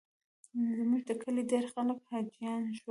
زموږ د کلي ډېر خلک حاجیان شول.